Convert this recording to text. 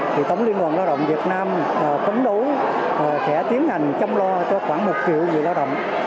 thì tổng liên đoàn lao động việt nam phấn đấu sẽ tiến hành chăm lo cho khoảng một triệu người lao động